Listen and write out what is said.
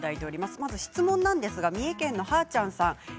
まず質問ですが三重県の方です。